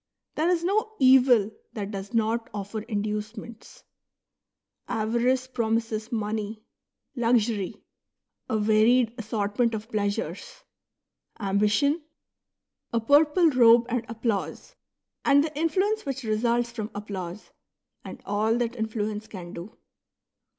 There is no evil that does not offer inducements. Avarice promises money ; luxury, a varied assortment of pleasures ; ambition, a purple robe and applause, and the influence which results from applause, and all that influence can do.